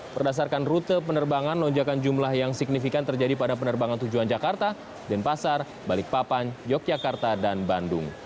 berdasarkan rute penerbangan lonjakan jumlah yang signifikan terjadi pada penerbangan tujuan jakarta denpasar balikpapan yogyakarta dan bandung